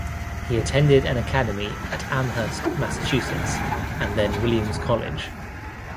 He attended an academy at Amherst, Massachusetts, and then Williams College.